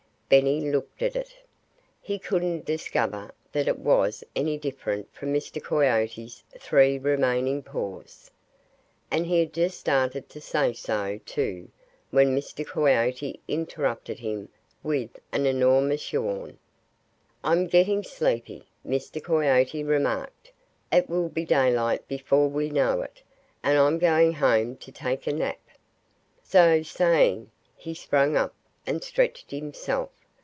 Benny looked at it. He couldn't discover that it was any different from Mr. Coyote's three remaining paws. And he had just started to say so, too, when Mr. Coyote interrupted him with an enormous yawn. "I'm getting sleepy," Mr. Coyote remarked. "It will be daylight before we know it. And I'm going home to take a nap." So saying, he sprang up and stretched himself.